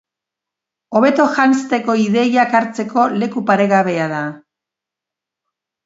Hobeto janzteko ideiak hartzeko leku paregabea da.